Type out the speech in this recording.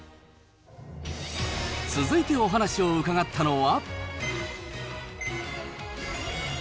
続いてお話を伺ったのは。